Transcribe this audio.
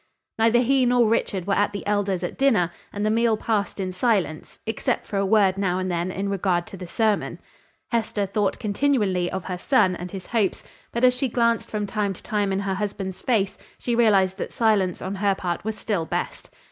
Neither he nor Richard were at the Elder's at dinner, and the meal passed in silence, except for a word now and then in regard to the sermon. Hester thought continually of her son and his hopes, but as she glanced from time to time in her husband's face she realized that silence on her part was still best.